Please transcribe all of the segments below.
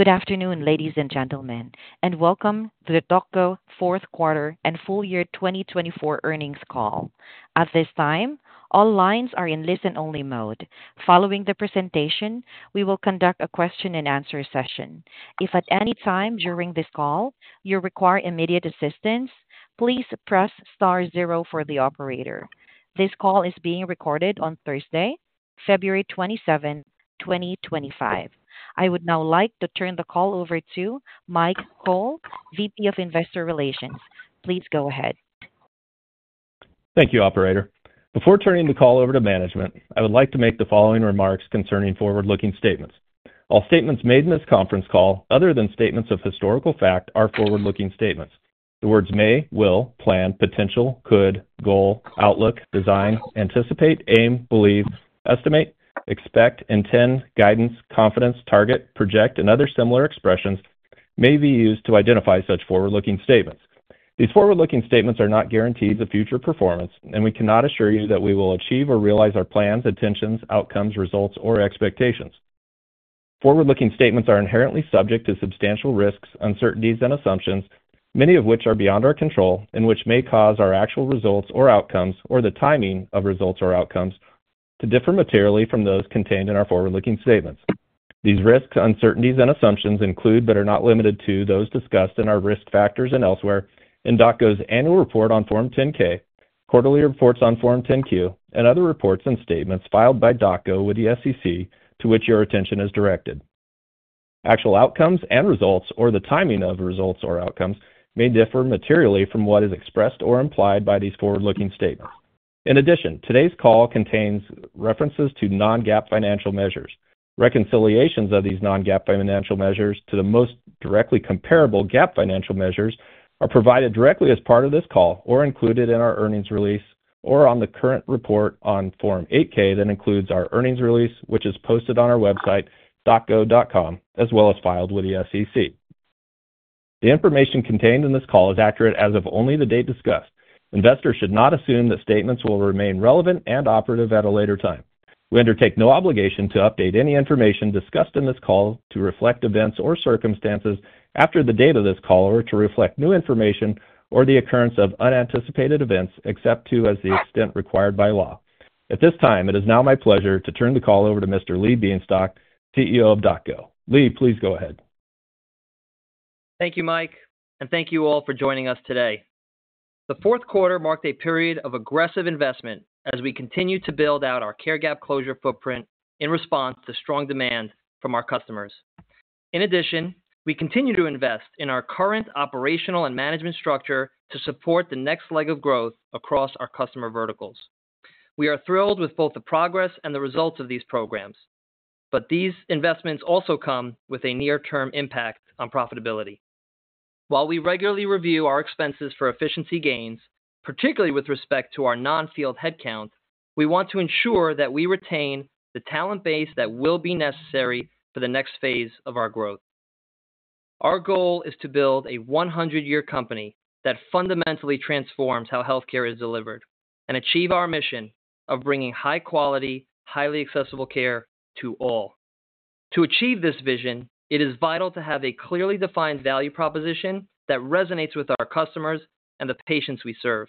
Good afternoon, ladies and gentlemen, and welcome to the DocGo Q4 and FY 2024 earnings call. At this time, all lines are in listen-only mode. Following the presentation, we will conduct a question-and-answer session. If at any time during this call you require immediate assistance, please press star zero for the operator. This call is being recorded on Thursday, February 27, 2025. I would now like to turn the call over to Mike Cole, VP of Investor Relations. Please go ahead. Thank you, Operator. Before turning the call over to management, I would like to make the following remarks concerning forward-looking statements: All statements made in this conference call, other than statements of historical fact, are forward-looking statements. The words may, will, plan, potential, could, goal, outlook, design, anticipate, aim, believe, estimate, expect, intend, guidance, confidence, target, project, and other similar expressions may be used to identify such forward-looking statements. These forward-looking statements are not guaranteed future performance, and we cannot assure you that we will achieve or realize our plans, intentions, outcomes, results, or expectations. Forward-looking statements are inherently subject to substantial risks, uncertainties, and assumptions, many of which are beyond our control and which may cause our actual results or outcomes, or the timing of results or outcomes, to differ materially from those contained in our forward-looking statements. These risks, uncertainties, and assumptions include, but are not limited to, those discussed in our risk factors and elsewhere in DocGo's annual report on Form 10-K, quarterly reports on Form 10-Q, and other reports and statements filed by DocGo with the SEC to which your attention is directed. Actual outcomes and results, or the timing of results or outcomes, may differ materially from what is expressed or implied by these forward-looking statements. In addition, today's call contains references to non-GAAP financial measures. Reconciliations of these non-GAAP financial measures to the most directly comparable GAAP financial measures are provided directly as part of this call or included in our earnings release or on the current report on Form 8-K that includes our earnings release, which is posted on our website, docgo.com, as well as filed with the SEC. The information contained in this call is accurate as of only the date discussed. Investors should not assume that statements will remain relevant and operative at a later time. We undertake no obligation to update any information discussed in this call to reflect events or circumstances after the date of this call or to reflect new information or the occurrence of unanticipated events except to the extent required by law. At this time, it is now my pleasure to turn the call over to Mr. Lee Bienstock, CEO of DocGo. Lee, please go ahead. Thank you, Mike, and thank you all for joining us today. The Q4 marked a period of aggressive investment as we continue to build out our care gap closure footprint in response to strong demand from our customers. In addition, we continue to invest in our current operational and management structure to support the next leg of growth across our customer verticals. We are thrilled with both the progress and the results of these programs, but these investments also come with a near-term impact on profitability. While we regularly review our expenses for efficiency gains, particularly with respect to our non-field headcount, we want to ensure that we retain the talent base that will be necessary for the next phase of our growth. Our goal is to build a 100-year company that fundamentally transforms how healthcare is delivered and achieve our mission of bringing high-quality, highly accessible care to all. To achieve this vision, it is vital to have a clearly defined value proposition that resonates with our customers and the patients we serve.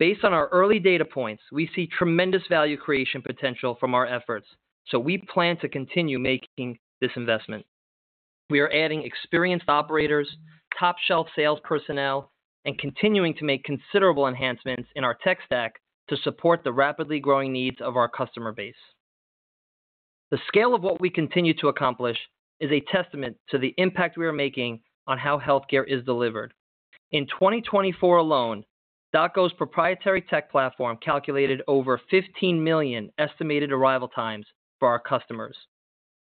Based on our early data points, we see tremendous value creation potential from our efforts, so we plan to continue making this investment. We are adding experienced operators, top-shelf sales personnel, and continuing to make considerable enhancements in our tech stack to support the rapidly growing needs of our customer base. The scale of what we continue to accomplish is a testament to the impact we are making on how healthcare is delivered. In 2024 alone, DocGo's proprietary tech platform calculated over 15 million estimated arrival times for our customers.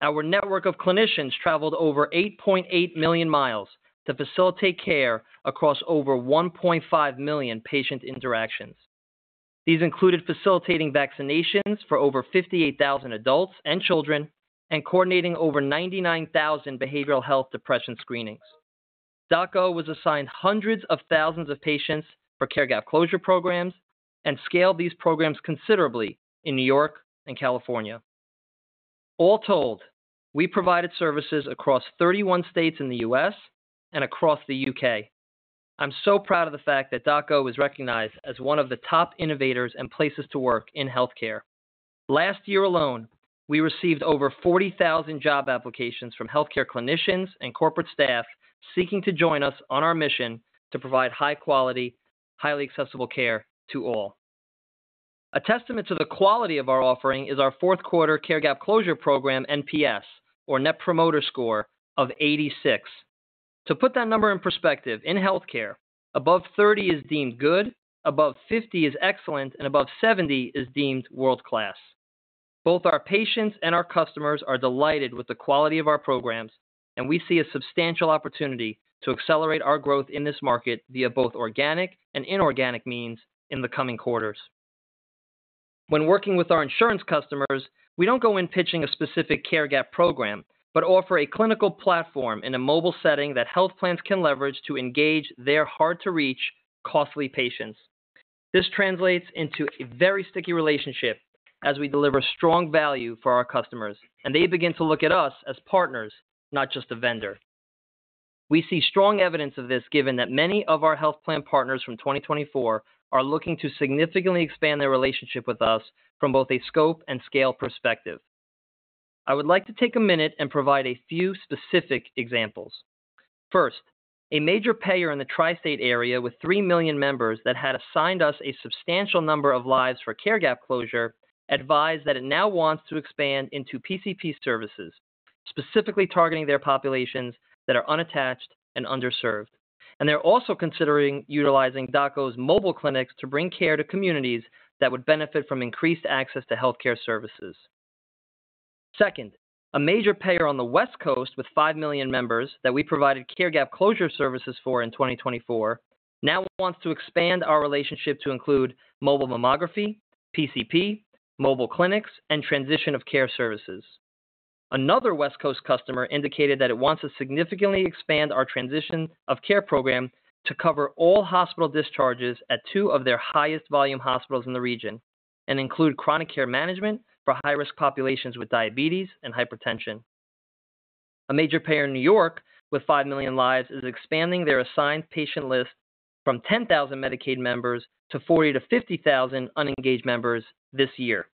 Our network of clinicians traveled over 8.8 million miles to facilitate care across over 1.5 million patient interactions. These included facilitating vaccinations for over 58,000 adults and children and coordinating over 99,000 behavioral health depression screenings. DocGo was assigned hundreds of thousands of patients for care gap closure programs and scaled these programs considerably in New York and California. All told, we provided services across 31 states in the U.S. and across the U.K. I'm so proud of the fact that DocGo is recognized as one of the top innovators and places to work in healthcare. Last year alone, we received over 40,000 job applications from healthcare clinicians and corporate staff seeking to join us on our mission to provide high-quality, highly accessible care to all. A testament to the quality of our offering is our Q4 care gap closure program NPS, or Net Promoter Score, of 86. To put that number in perspective, in healthcare, above 30 is deemed good, above 50 is excellent, and above 70 is deemed world-class. Both our patients and our customers are delighted with the quality of our programs, and we see a substantial opportunity to accelerate our growth in this market via both organic and inorganic means in the coming quarters. When working with our insurance customers, we do not go in pitching a specific Care Gap Closure Program but offer a clinical platform in a mobile setting that health plans can leverage to engage their hard-to-reach, costly patients. This translates into a very sticky relationship as we deliver strong value for our customers, and they begin to look at us as partners, not just a vendor. We see strong evidence of this given that many of our health plan partners from 2024 are looking to significantly expand their relationship with us from both a scope and scale perspective. I would like to take a minute and provide a few specific examples. First, a major payer in the tri-state area with 3 million members that had assigned us a substantial number of lives for care gap closure advised that it now wants to expand into PCP services, specifically targeting their populations that are unattached and underserved. They are also considering utilizing DocGo's mobile clinics to bring care to communities that would benefit from increased access to healthcare services. Second, a major payer on the West Coast with 5 million members that we provided care gap closure services for in 2024 now wants to expand our relationship to include mobile mammography, PCP, mobile clinics, and transition of care services. Another West Coast customer indicated that it wants to significantly expand our transition of care program to cover all hospital discharges at two of their highest-volume hospitals in the region and include chronic care management for high-risk populations with diabetes and hypertension. A major payer in New York with 5 million lives is expanding their assigned patient list from 10,000 Medicaid members to 40,000-50,000 unengaged members this year.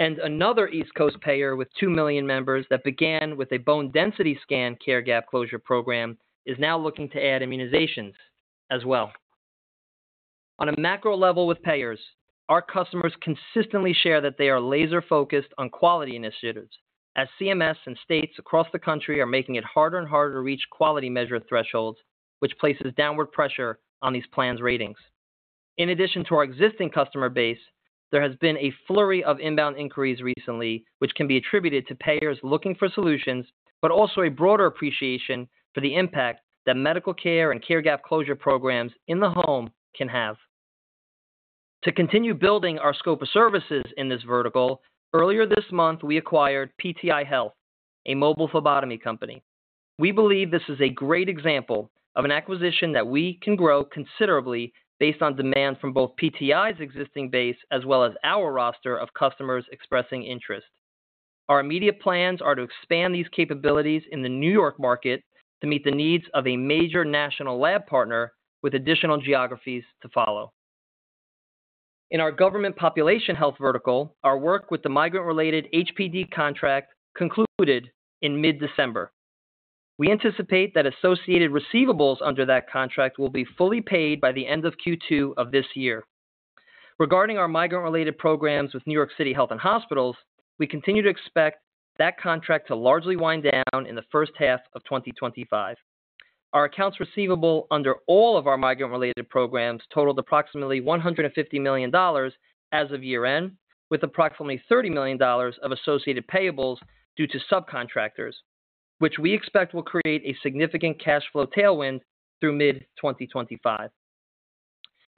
Another East Coast payer with 2 million members that began with a bone density scan care gap closure program is now looking to add immunizations as well. On a macro level with payers, our customers consistently share that they are laser-focused on quality initiatives as CMS and states across the country are making it harder and harder to reach quality measure thresholds, which places downward pressure on these plans' ratings. In addition to our existing customer base, there has been a flurry of inbound inquiries recently, which can be attributed to payers looking for solutions but also a broader appreciation for the impact that medical care and care gap closure programs in the home can have. To continue building our scope of services in this vertical, earlier this month we acquired PTI Health, a mobile phlebotomy company. We believe this is a great example of an acquisition that we can grow considerably based on demand from both PTI's existing base as well as our roster of customers expressing interest. Our immediate plans are to expand these capabilities in the New York market to meet the needs of a major national lab partner with additional geographies to follow. In our government population health vertical, our work with the migrant-related HPD contract concluded in mid-December. We anticipate that associated receivables under that contract will be fully paid by the end of Q2 of this year. Regarding our migrant-related programs with New York City Health and Hospitals, we continue to expect that contract to largely wind down in the first half of 2025. Our accounts receivable under all of our migrant-related programs totaled approximately $150 million as of year-end, with approximately $30 million of associated payables due to subcontractors, which we expect will create a significant cash flow tailwind through mid-2025.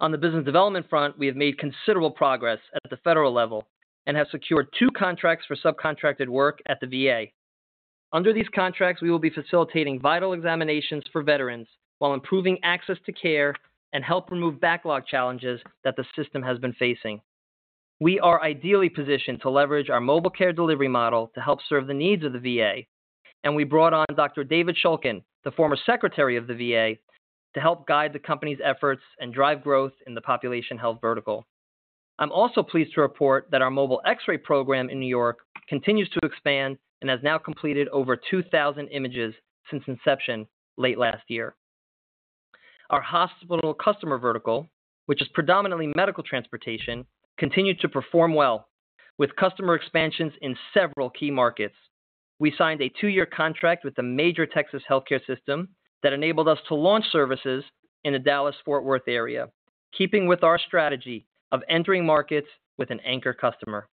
On the business development front, we have made considerable progress at the federal level and have secured two contracts for subcontracted work at the VA. Under these contracts, we will be facilitating vital examinations for veterans while improving access to care and help remove backlog challenges that the system has been facing. We are ideally positioned to leverage our mobile care delivery model to help serve the needs of the VA, and we brought on Dr. David Shulkin, the former Secretary of the VA, to help guide the company's efforts and drive growth in the population health vertical. I'm also pleased to report that our mobile X-ray program in New York continues to expand and has now completed over 2,000 images since inception late last year. Our hospital customer vertical, which is predominantly medical transportation, continued to perform well with customer expansions in several key markets. We signed a two-year contract with a major Texas healthcare system that enabled us to launch services in the Dallas-Fort Worth area, keeping with our strategy of entering markets with an anchor customer.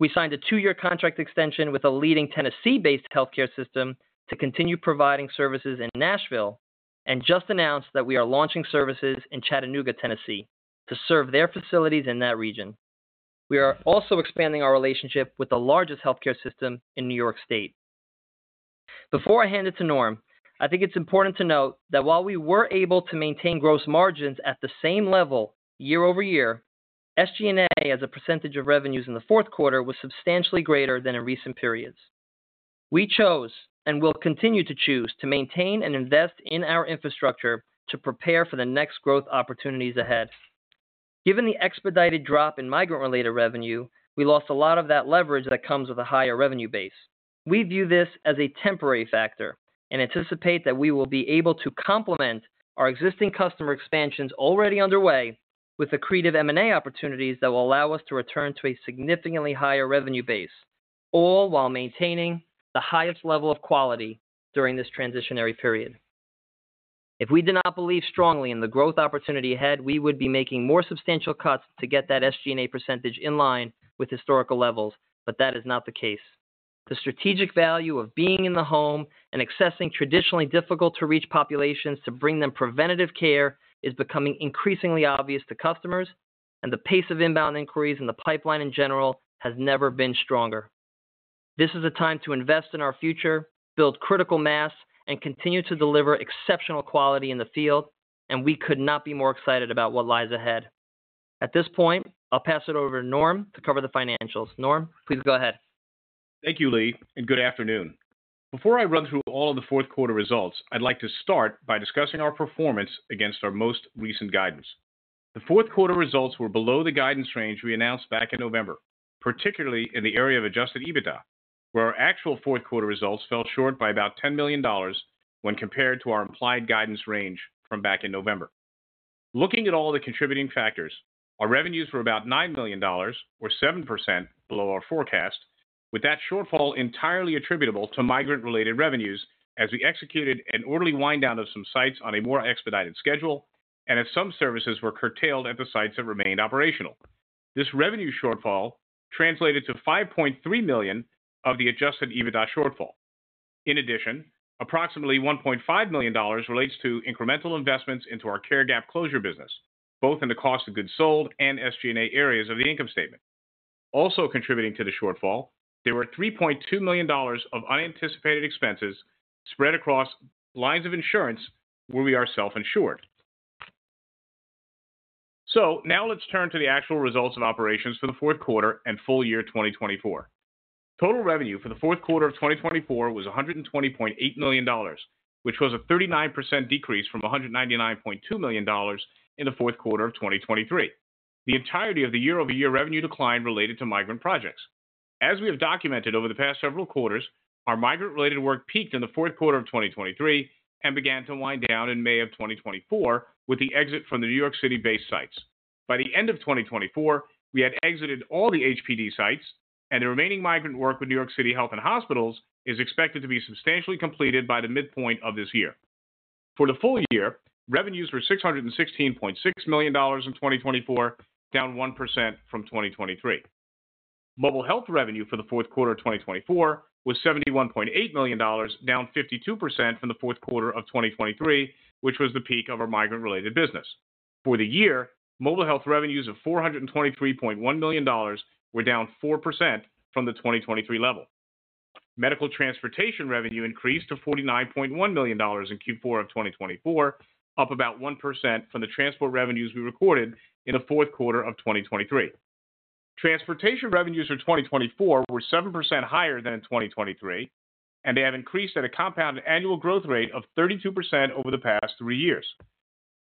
We signed a two-year contract extension with a leading Tennessee-based healthcare system to continue providing services in Nashville and just announced that we are launching services in Chattanooga, Tennessee, to serve their facilities in that region. We are also expanding our relationship with the largest healthcare system in New York State. Before I hand it to Norm, I think it's important to note that while we were able to maintain gross margins at the same level year over year, SG&A as a percentage of revenues in the Q4 was substantially greater than in recent periods. We chose and will continue to choose to maintain and invest in our infrastructure to prepare for the next growth opportunities ahead. Given the expedited drop in migrant-related revenue, we lost a lot of that leverage that comes with a higher revenue base. We view this as a temporary factor and anticipate that we will be able to complement our existing customer expansions already underway with accretive M&A opportunities that will allow us to return to a significantly higher revenue base, all while maintaining the highest level of quality during this transitionary period. If we did not believe strongly in the growth opportunity ahead, we would be making more substantial cuts to get that SG&A percentage in line with historical levels, but that is not the case. The strategic value of being in the home and accessing traditionally difficult-to-reach populations to bring them preventative care is becoming increasingly obvious to customers, and the pace of inbound inquiries and the pipeline in general has never been stronger. This is a time to invest in our future, build critical mass, and continue to deliver exceptional quality in the field, and we could not be more excited about what lies ahead. At this point, I'll pass it over to Norm to cover the financials. Norm, please go ahead. Thank you, Lee, and good afternoon. Before I run through all of the Q4 results, I'd like to start by discussing our performance against our most recent guidance. The Q4 results were below the guidance range we announced back in November, particularly in the area of adjusted EBITDA, where our actual Q4 results fell short by about $10 million when compared to our implied guidance range from back in November. Looking at all the contributing factors, our revenues were about $9 million, or 7% below our forecast, with that shortfall entirely attributable to migrant-related revenues as we executed an orderly wind-down of some sites on a more expedited schedule and as some services were curtailed at the sites that remained operational. This revenue shortfall translated to $5.3 million of the adjusted EBITDA shortfall. In addition, approximately $1.5 million relates to incremental investments into our Care Gap Closure Programs business, both in the cost of goods sold and SG&A areas of the income statement. Also contributing to the shortfall, there were $3.2 million of unanticipated expenses spread across lines of insurance where we are self-insured. Now let's turn to the actual results of operations for the Q4 and full year 2024. Total revenue for the Q4 of 2024 was $120.8 million, which was a 39% decrease from $199.2 million in the Q4 of 2023. The entirety of the year-over-year revenue decline related to migrant projects. As we have documented over the past several quarters, our migrant-related work peaked in the Q4 of 2023 and began to wind down in May of 2024 with the exit from the New York City-based sites. By the end of 2024, we had exited all the HPD sites, and the remaining migrant work with New York City Health + Hospitals is expected to be substantially completed by the midpoint of this year. For the full year, revenues were $616.6 million in 2024, down 1% from 2023. Mobile health revenue for the Q4 of 2024 was $71.8 million, down 52% from the Q4 of 2023, which was the peak of our migrant-related business. For the year, mobile health revenues of $423.1 million were down 4% from the 2023 level. Medical transportation revenue increased to $49.1 million in Q4 of 2024, up about 1% from the transport revenues we recorded in the Q4 of 2023. Transportation revenues for 2024 were 7% higher than in 2023, and they have increased at a compounded annual growth rate of 32% over the past three years.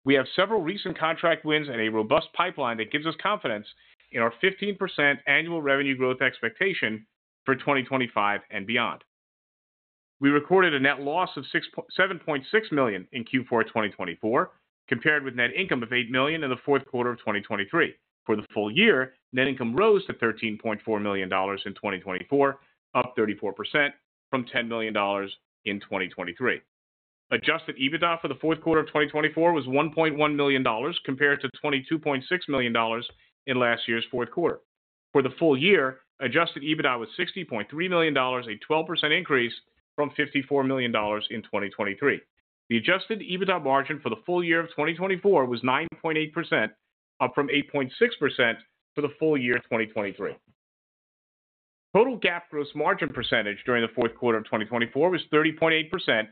We have several recent contract wins and a robust pipeline that gives us confidence in our 15% annual revenue growth expectation for 2025 and beyond. We recorded a net loss of $7.6 million in Q4 2024, compared with net income of $8 million in the Q4 of 2023. For the full year, net income rose to $13.4 million in 2024, up 34% from $10 million in 2023. Adjusted EBITDA for the Q4 of 2024 was $1.1 million, compared to $22.6 million in last year's Q4. For the full year, adjusted EBITDA was $60.3 million, a 12% increase from $54 million in 2023. The adjusted EBITDA margin for the full year of 2024 was 9.8%, up from 8.6% for the full year 2023. Total GAAP gross margin percentage during the Q4 of 2024 was 30.8%,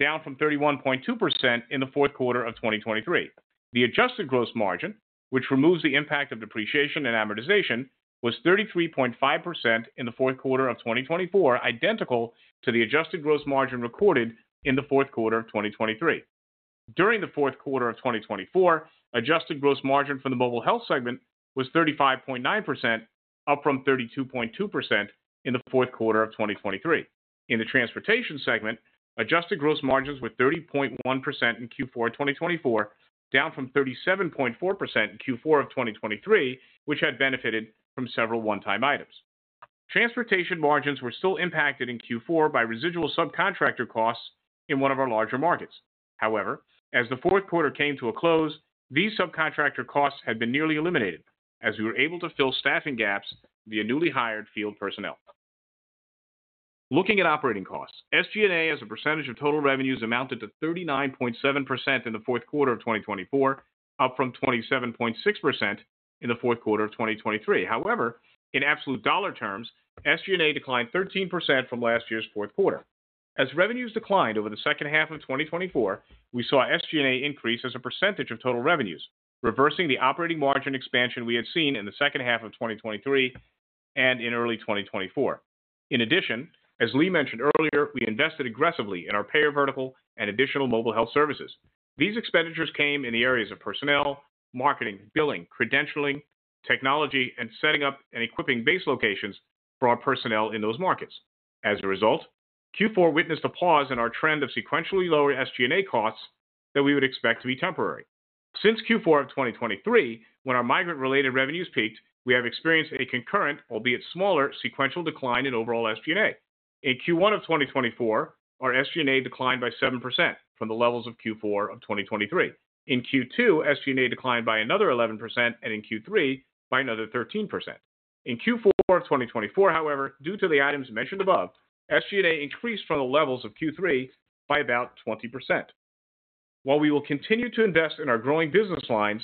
down from 31.2% in the Q4 of 2023. The adjusted gross margin, which removes the impact of depreciation and amortization, was 33.5% in the Q4 of 2024, identical to the adjusted gross margin recorded in the Q4 of 2023. During the Q4 of 2024, adjusted gross margin for the mobile health segment was 35.9%, up from 32.2% in the Q4 of 2023. In the transportation segment, adjusted gross margins were 30.1% in Q4 2024, down from 37.4% in Q4 of 2023, which had benefited from several one-time items. Transportation margins were still impacted in Q4 by residual subcontractor costs in one of our larger markets. However, as the Q4 came to a close, these subcontractor costs had been nearly eliminated as we were able to fill staffing gaps via newly hired field personnel. Looking at operating costs, SG&A as a percentage of total revenues amounted to 39.7% in the Q4 of 2024, up from 27.6% in the Q4 of 2023. However, in absolute dollar terms, SG&A declined 13% from last year's Q4. As revenues declined over the second half of 2024, we saw SG&A increase as a percentage of total revenues, reversing the operating margin expansion we had seen in the second half of 2023 and in early 2024. In addition, as Lee mentioned earlier, we invested aggressively in our payer vertical and additional mobile health services. These expenditures came in the areas of personnel, marketing, billing, credentialing, technology, and setting up and equipping base locations for our personnel in those markets. As a result, Q4 witnessed a pause in our trend of sequentially lower SG&A costs that we would expect to be temporary. Since Q4 of 2023, when our migrant-related revenues peaked, we have experienced a concurrent, albeit smaller, sequential decline in overall SG&A. In Q1 of 2024, our SG&A declined by 7% from the levels of Q4 of 2023. In Q2, SG&A declined by another 11%, and in Q3 by another 13%. In Q4 of 2024, however, due to the items mentioned above, SG&A increased from the levels of Q3 by about 20%. While we will continue to invest in our growing business lines,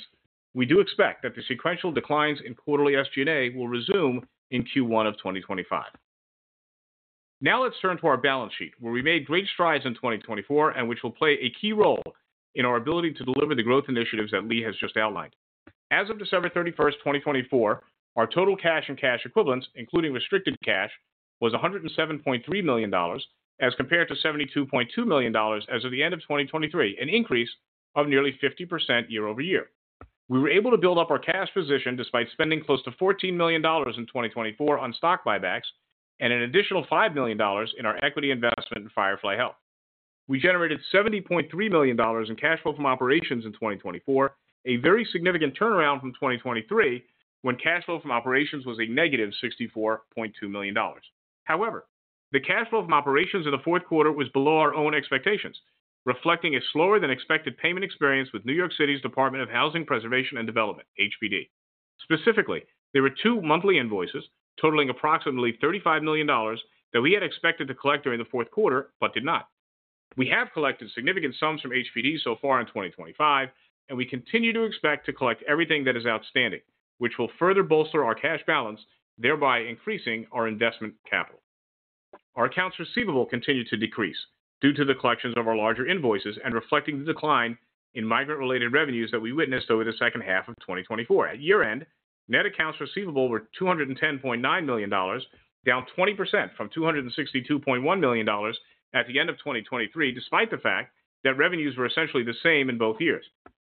we do expect that the sequential declines in quarterly SG&A will resume in Q1 of 2025. Now let's turn to our balance sheet, where we made great strides in 2024 and which will play a key role in our ability to deliver the growth initiatives that Lee has just outlined. As of December 31, 2024, our total cash and cash equivalents, including restricted cash, was $107.3 million as compared to $72.2 million as of the end of 2023, an increase of nearly 50% year-over-year. We were able to build up our cash position despite spending close to $14 million in 2024 on stock buybacks and an additional $5 million in our equity investment in Firefly Health. We generated $70.3 million in cash flow from operations in 2024, a very significant turnaround from 2023 when cash flow from operations was a negative $64.2 million. However, the cash flow from operations in the Q4 was below our own expectations, reflecting a slower-than-expected payment experience with New York City's Department of Housing Preservation and Development, HPD. Specifically, there were two monthly invoices totaling approximately $35 million that we had expected to collect during the Q4 but did not. We have collected significant sums from HPD so far in 2025, and we continue to expect to collect everything that is outstanding, which will further bolster our cash balance, thereby increasing our investment capital. Our accounts receivable continued to decrease due to the collections of our larger invoices and reflecting the decline in migrant-related revenues that we witnessed over the second half of 2024. At year-end, net accounts receivable were $210.9 million, down 20% from $262.1 million at the end of 2023, despite the fact that revenues were essentially the same in both years.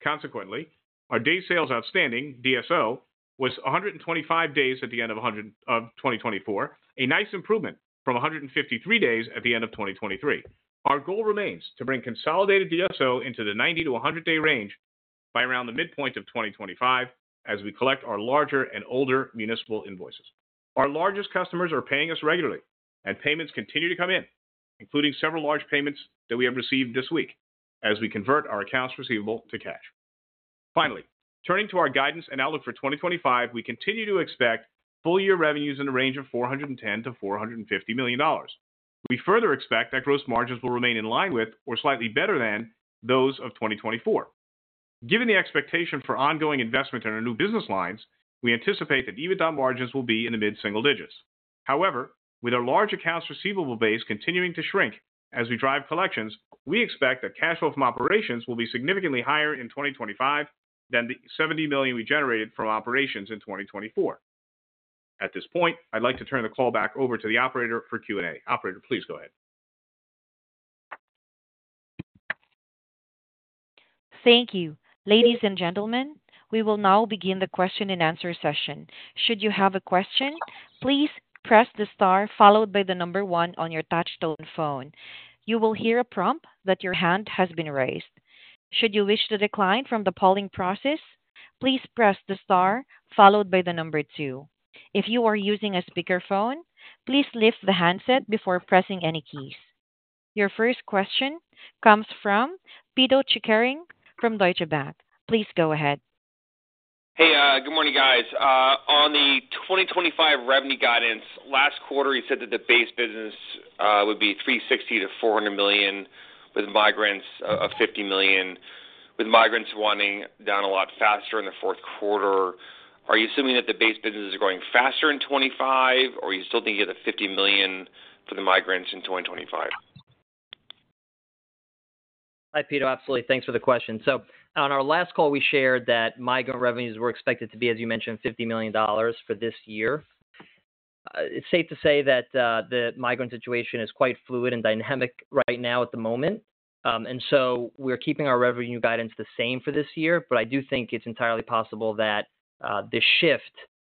Consequently, our days sales outstanding, DSO, was 125 days at the end of 2024, a nice improvement from 153 days at the end of 2023. Our goal remains to bring consolidated DSO into the 90-100 day range by around the midpoint of 2025 as we collect our larger and older municipal invoices. Our largest customers are paying us regularly, and payments continue to come in, including several large payments that we have received this week as we convert our accounts receivable to cash. Finally, turning to our guidance and outlook for 2025, we continue to expect full-year revenues in the range of $410 million-$450 million. We further expect that gross margins will remain in line with, or slightly better than, those of 2024. Given the expectation for ongoing investment in our new business lines, we anticipate that EBITDA margins will be in the mid-single digits. However, with our large accounts receivable base continuing to shrink as we drive collections, we expect that cash flow from operations will be significantly higher in 2025 than the $70 million we generated from operations in 2024. At this point, I'd like to turn the call back over to the operator for Q&A. Operator, please go ahead. Thank you. Ladies and gentlemen, we will now begin the question-and-answer session. Should you have a question, please press the star followed by the number one on your touch-tone phone. You will hear a prompt that your hand has been raised. Should you wish to decline from the polling process, please press the star followed by the number two. If you are using a speakerphone, please lift the handset before pressing any keys. Your first question comes from Pito Chickering from Deutsche Bank. Please go ahead. Hey, good morning, guys. On the 2025 revenue guidance, last quarter, you said that the base business would be $360 million-$400 million with migrants of $50 million, with migrants winding down a lot faster in the Q4. Are you assuming that the base business is growing faster in 2025, or are you still thinking of the $50 million for the migrants in 2025? Hi, Pito. Absolutely. Thanks for the question. On our last call, we shared that migrant revenues were expected to be, as you mentioned, $50 million for this year. It's safe to say that the migrant situation is quite fluid and dynamic right now at the moment. We are keeping our revenue guidance the same for this year, but I do think it's entirely possible that this shift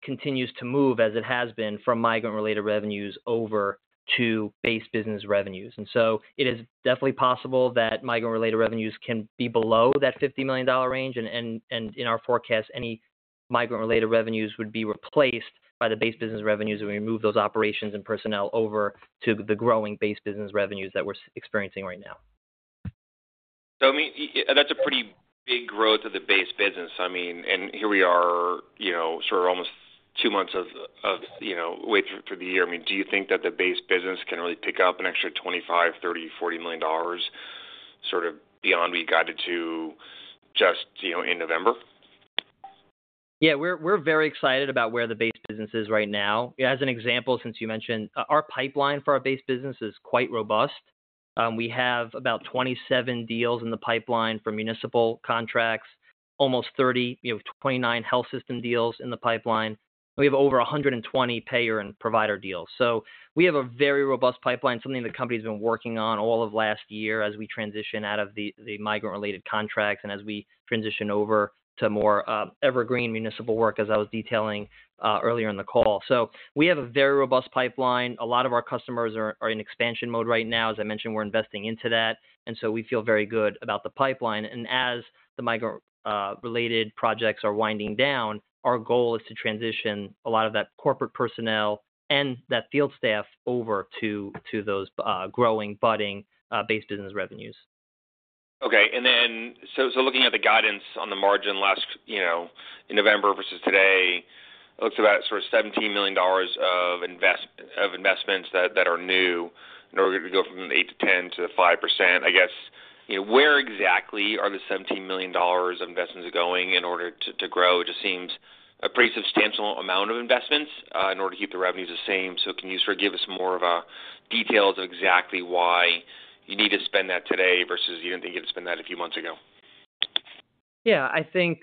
continues to move as it has been from migrant-related revenues over to base business revenues. It is definitely possible that migrant-related revenues can be below that $50 million range, and in our forecast, any migrant-related revenues would be replaced by the base business revenues if we move those operations and personnel over to the growing base business revenues that we're experiencing right now. I mean, that's a pretty big growth of the base business. I mean, and here we are, you know, sort of almost two months of, you know, wait for the year. I mean, do you think that the base business can really pick up an extra $25 million, $30 million, $40 million sort of beyond what you guided to just, you know, in November? Yeah, we're very excited about where the base business is right now. As an example, since you mentioned, our pipeline for our base business is quite robust. We have about 27 deals in the pipeline for municipal contracts, almost 30, you know, 29 health system deals in the pipeline. We have over 120 payer and provider deals. We have a very robust pipeline, something the company has been working on all of last year as we transition out of the migrant-related contracts and as we transition over to more evergreen municipal work, as I was detailing earlier in the call. We have a very robust pipeline. A lot of our customers are in expansion mode right now. As I mentioned, we're investing into that, and we feel very good about the pipeline. As the migrant-related projects are winding down, our goal is to transition a lot of that corporate personnel and that field staff over to those growing, budding base business revenues. Okay. Looking at the guidance on the margin last, you know, in November versus today, it looks about sort of $17 million of investments that are new. In order to go from 8%, 10% to 5%, I guess, you know, where exactly are the $17 million of investments going in order to grow? It just seems a pretty substantial amount of investments in order to keep the revenues the same. Can you sort of give us more details of exactly why you need to spend that today versus you didn't think you had to spend that a few months ago? Yeah, I think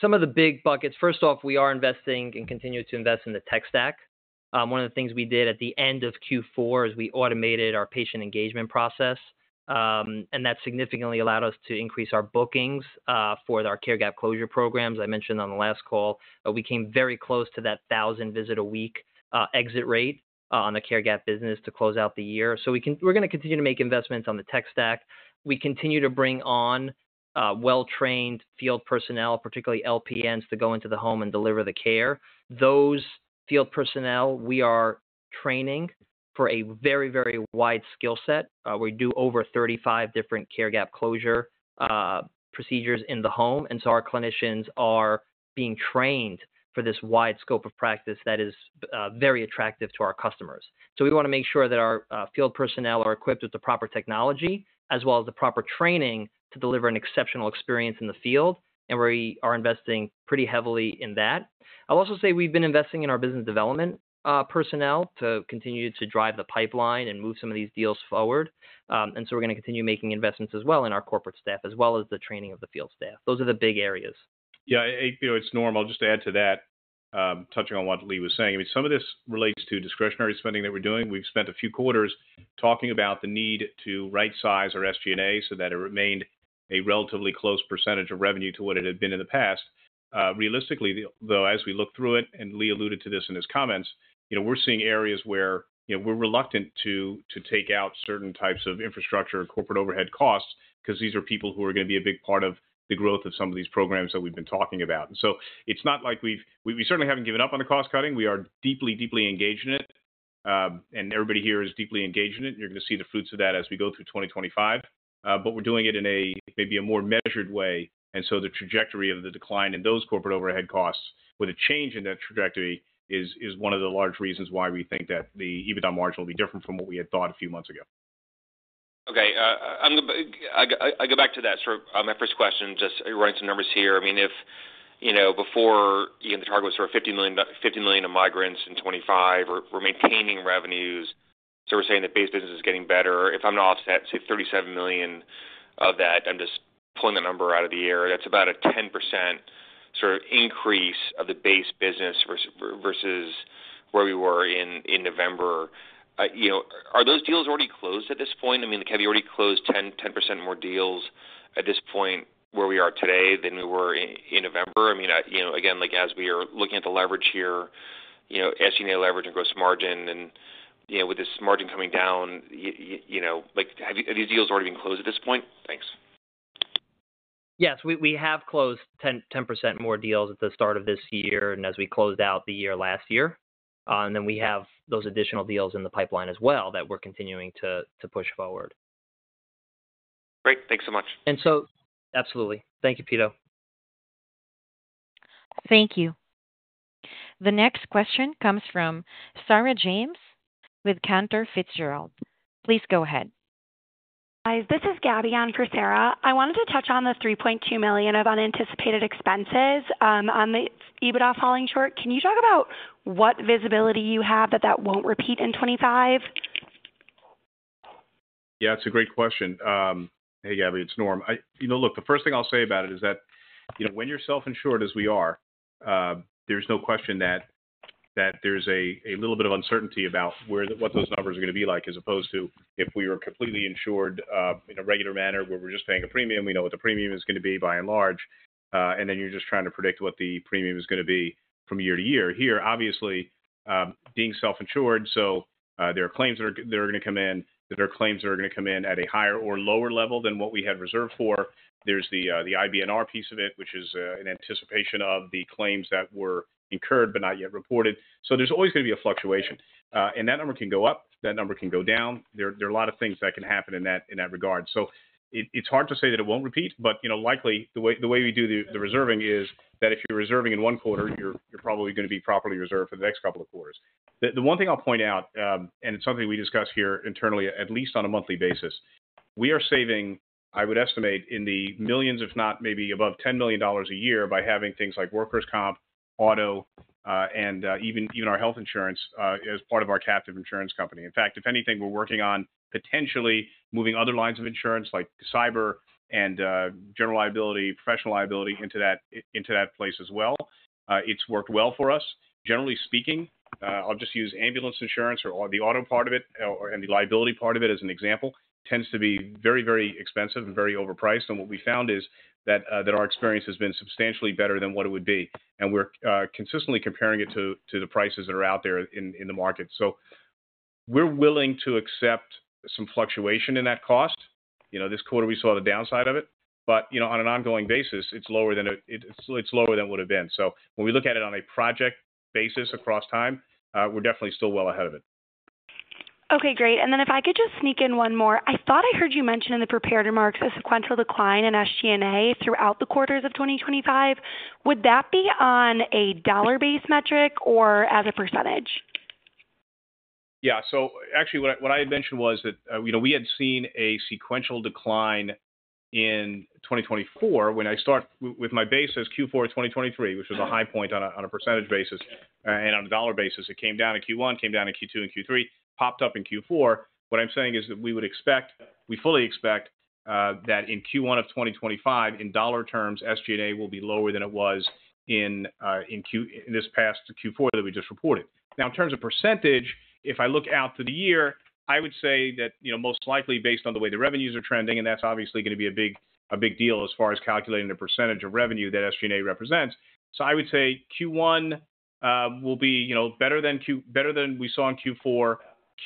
some of the big buckets, first off, we are investing and continue to invest in the tech stack. One of the things we did at the end of Q4 is we automated our patient engagement process, and that significantly allowed us to increase our bookings for our care gap closure programs. I mentioned on the last call, we came very close to that 1,000-visit-a-week exit rate on the care gap business to close out the year. We are going to continue to make investments on the tech stack. We continue to bring on well-trained field personnel, particularly LPNs, to go into the home and deliver the care. Those field personnel, we are training for a very, very wide skill set. We do over 35 different care gap closure procedures in the home, and our clinicians are being trained for this wide scope of practice that is very attractive to our customers. We want to make sure that our field personnel are equipped with the proper technology as well as the proper training to deliver an exceptional experience in the field, and we are investing pretty heavily in that. I'll also say we've been investing in our business development personnel to continue to drive the pipeline and move some of these deals forward. We are going to continue making investments as well in our corporate staff as well as the training of the field staff. Those are the big areas. Yeah, it's normal. I'll just add to that, touching on what Lee was saying. I mean, some of this relates to discretionary spending that we're doing. We've spent a few quarters talking about the need to right-size our SG&A so that it remained a relatively close percentage of revenue to what it had been in the past. Realistically, though, as we look through it, and Lee alluded to this in his comments, you know, we're seeing areas where we're reluctant to take out certain types of infrastructure and corporate overhead costs because these are people who are going to be a big part of the growth of some of these programs that we've been talking about. It's not like we've—we certainly haven't given up on the cost-cutting. We are deeply, deeply engaged in it, and everybody here is deeply engaged in it, and you are going to see the fruits of that as we go through 2025. We are doing it in maybe a more measured way. The trajectory of the decline in those corporate overhead costs with a change in that trajectory is one of the large reasons why we think that the EBITDA margin will be different from what we had thought a few months ago. Okay. I go back to that. My first question, just running some numbers here. I mean, if, you know, before, you know, the target was sort of $50 million of migrants in 2025, we're maintaining revenues. We're saying that base business is getting better. If I'm to offset, say, $37 million of that, I'm just pulling a number out of the air, that's about a 10% sort of increase of the base business versus where we were in November. You know, are those deals already closed at this point? I mean, have you already closed 10% more deals at this point where we are today than we were in November? I mean, you know, again, like as we are looking at the leverage here, you know, SG&A leverage and gross margin, and you know, with this margin coming down, you know, like have these deals already been closed at this point? Thanks. Yes, we have closed 10% more deals at the start of this year and as we closed out the year last year. We have those additional deals in the pipeline as well that we're continuing to push forward. Great. Thanks so much. Absolutely. Thank you, Pito. Thank you. The next question comes from Sarah James with Cantor Fitzgerald. Please go ahead. Hi, this is Gabby on Coursera. I wanted to touch on the $3.2 million of unanticipated expenses on the EBITDA falling short. Can you talk about what visibility you have that that won't repeat in 2025? Yeah, it's a great question. Hey, Gabby, it's Norm. You know, look, the first thing I'll say about it is that, you know, when you're self-insured, as we are, there's no question that there's a little bit of uncertainty about what those numbers are going to be like as opposed to if we were completely insured in a regular manner where we're just paying a premium, we know what the premium is going to be by and large, and then you're just trying to predict what the premium is going to be from year to year. Here, obviously, being self-insured, so there are claims that are going to come in, there are claims that are going to come in at a higher or lower level than what we had reserved for. There's the IBNR piece of it, which is in anticipation of the claims that were incurred but not yet reported. There's always going to be a fluctuation. That number can go up, that number can go down. There are a lot of things that can happen in that regard. It's hard to say that it won't repeat, but, you know, likely the way we do the reserving is that if you're reserving in one quarter, you're probably going to be properly reserved for the next couple of quarters. The one thing I'll point out, and it's something we discuss here internally, at least on a monthly basis, we are saving, I would estimate, in the millions, if not maybe above $10 million a year by having things like workers' comp, auto, and even our health insurance as part of our captive insurance company. In fact, if anything, we're working on potentially moving other lines of insurance like cyber and general liability, professional liability into that place as well. It's worked well for us. Generally speaking, I'll just use ambulance insurance or the auto part of it and the liability part of it as an example. It tends to be very, very expensive and very overpriced. What we found is that our experience has been substantially better than what it would be. We're consistently comparing it to the prices that are out there in the market. We're willing to accept some fluctuation in that cost. You know, this quarter we saw the downside of it, but, you know, on an ongoing basis, it's lower than it would have been. When we look at it on a project basis across time, we're definitely still well ahead of it. Okay, great. If I could just sneak in one more, I thought I heard you mention in the prepared remarks a sequential decline in SG&A throughout the quarters of 2025. Would that be on a dollar-based metric or as a percentage? Yeah. So actually what I had mentioned was that, you know, we had seen a sequential decline in 2024 when I start with my base as Q4 of 2023, which was a high point on a percentage basis and on a dollar basis. It came down in Q1, came down in Q2 and Q3, popped up in Q4. What I'm saying is that we would expect, we fully expect that in Q1 of 2025, in dollar terms, SG&A will be lower than it was in this past Q4 that we just reported. Now, in terms of percentage, if I look out to the year, I would say that, you know, most likely based on the way the revenues are trending, and that's obviously going to be a big deal as far as calculating the percentage of revenue that SG&A represents. I would say Q1 will be, you know, better than we saw in Q4.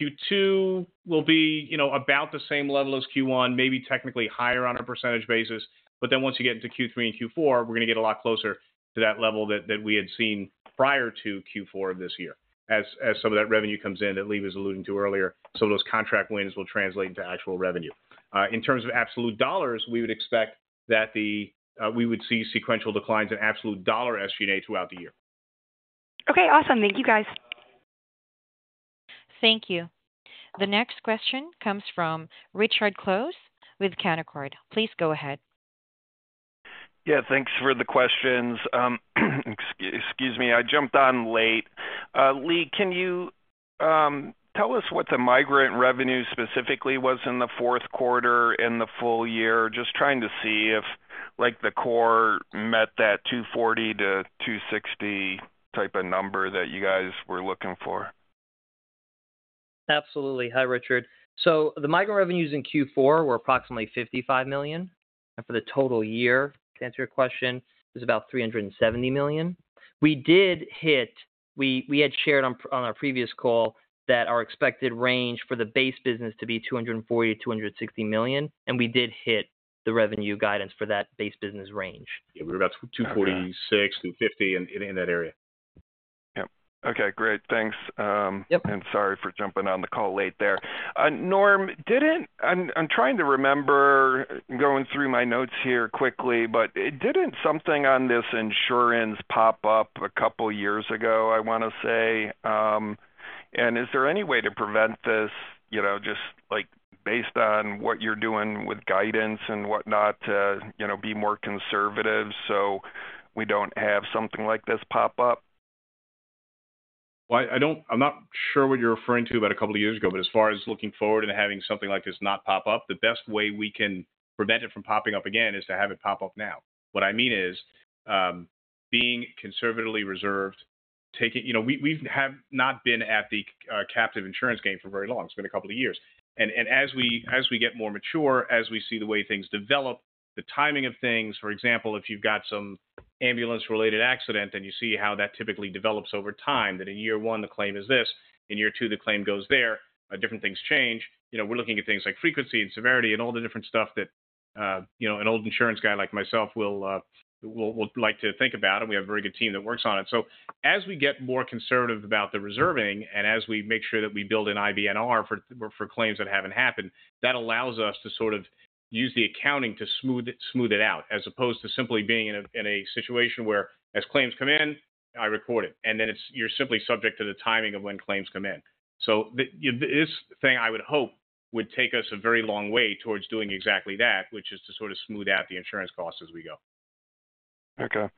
Q2 will be, you know, about the same level as Q1, maybe technically higher on a percentage basis. Once you get into Q3 and Q4, we're going to get a lot closer to that level that we had seen prior to Q4 of this year. As some of that revenue comes in that Lee was alluding to earlier, some of those contract wins will translate into actual revenue. In terms of absolute dollars, we would expect that we would see sequential declines in absolute dollar SG&A throughout the year. Okay, awesome. Thank you, guys. Thank you. The next question comes from Richard Close with Canaccord. Please go ahead. Yeah, thanks for the questions. Excuse me, I jumped on late. Lee, can you tell us what the migrant revenue specifically was in the fourth quarter and the full year? Just trying to see if, like, the core met that $240-$260 type of number that you guys were looking for. Absolutely. Hi, Richard. The migrant revenues in Q4 were approximately $55 million. For the total year, to answer your question, it was about $370 million. We did hit, we had shared on our previous call that our expected range for the base business to be $240 million-$260 million, and we did hit the revenue guidance for that base business range. Yeah, we were about $246, $250 in that area. Yep. Okay, great. Thanks. Sorry for jumping on the call late there. Norm, didn't, I'm trying to remember, going through my notes here quickly, but didn't something on this insurance pop up a couple of years ago, I want to say? Is there any way to prevent this, you know, just like based on what you're doing with guidance and whatnot to, you know, be more conservative so we don't have something like this pop up? do not, I am not sure what you are referring to about a couple of years ago, but as far as looking forward and having something like this not pop up, the best way we can prevent it from popping up again is to have it pop up now. What I mean is being conservatively reserved, taking, you know, we have not been at the captive insurance game for very long. It has been a couple of years. As we get more mature, as we see the way things develop, the timing of things, for example, if you have got some ambulance-related accident and you see how that typically develops over time, that in year one, the claim is this, in year two, the claim goes there, different things change. You know, we're looking at things like frequency and severity and all the different stuff that, you know, an old insurance guy like myself will like to think about, and we have a very good team that works on it. As we get more conservative about the reserving and as we make sure that we build an IBNR for claims that haven't happened, that allows us to sort of use the accounting to smooth it out as opposed to simply being in a situation where as claims come in, I record it, and then you're simply subject to the timing of when claims come in. This thing I would hope would take us a very long way towards doing exactly that, which is to sort of smooth out the insurance costs as we go. Okay.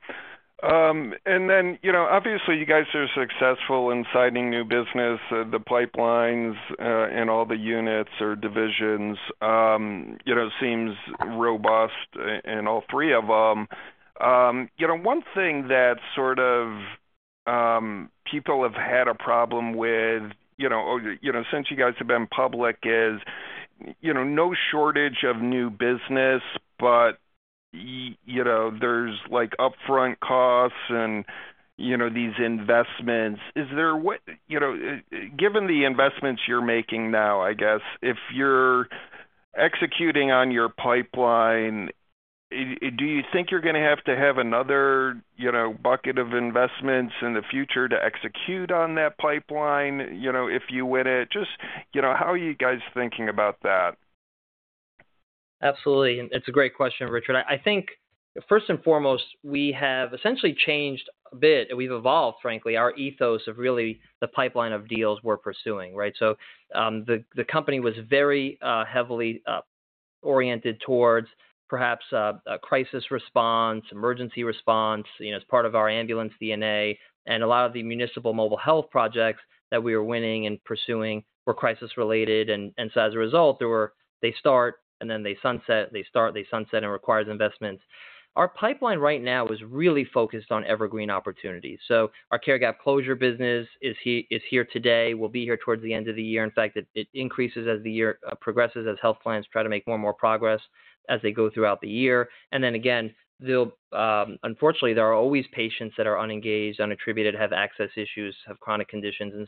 You know, obviously you guys are successful in citing new business. The pipelines and all the units or divisions, you know, seems robust in all three of them. You know, one thing that sort of people have had a problem with, you know, since you guys have been public is, you know, no shortage of new business, but, you know, there's like upfront costs and, you know, these investments. Is there, you know, given the investments you're making now, I guess, if you're executing on your pipeline, do you think you're going to have to have another, you know, bucket of investments in the future to execute on that pipeline, you know, if you win it? Just, you know, how are you guys thinking about that? Absolutely. It's a great question, Richard. I think first and foremost, we have essentially changed a bit, and we've evolved, frankly, our ethos of really the pipeline of deals we're pursuing, right? The company was very heavily oriented towards perhaps crisis response, emergency response, you know, as part of our ambulance DNA. A lot of the municipal mobile health projects that we were winning and pursuing were crisis-related. As a result, they start and then they sunset, they start, they sunset and require investments. Our pipeline right now is really focused on evergreen opportunities. Our care gap closure business is here today, will be here towards the end of the year. In fact, it increases as the year progresses, as health plans try to make more and more progress as they go throughout the year. Unfortunately, there are always patients that are unengaged, unattributed, have access issues, have chronic conditions.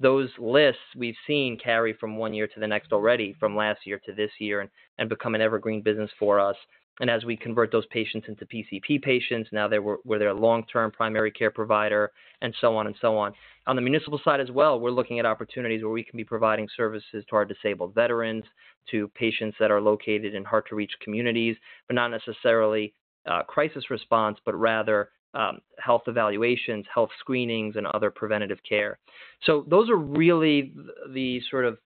Those lists we've seen carry from one year to the next already, from last year to this year and become an evergreen business for us. As we convert those patients into PCP patients, now they're with their long-term primary care provider and so on and so on. On the municipal side as well, we're looking at opportunities where we can be providing services to our disabled veterans, to patients that are located in hard-to-reach communities, but not necessarily crisis response, but rather health evaluations, health screenings, and other preventative care. Those are really the sort of